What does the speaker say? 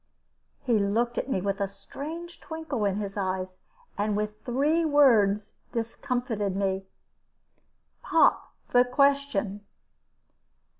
He looked at me with a strange twinkle in his eyes, and with three words discomfited me "Pop the question."